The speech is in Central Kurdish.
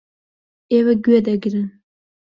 ئێوە گوێ دەگرن.